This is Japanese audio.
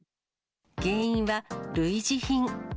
原因は、類似品。